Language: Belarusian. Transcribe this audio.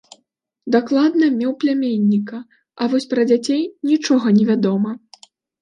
Дакладна меў пляменніка, а вось пра дзяцей нічога невядома.